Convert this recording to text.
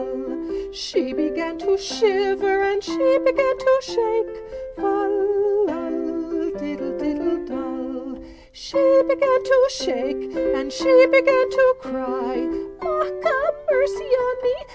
_ She began to shiver, and she began to shake, Fol, lol, &c., She began to shake, and she began to cry, Lawk a mercy on me!